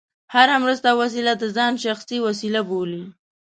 هره مرسته او وسیله د ځان شخصي وسیله بولي.